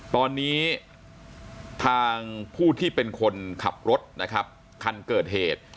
ตอนนี้ทางผู้ที่เป็นคนขับรถนะครับคันเกิดเหตุ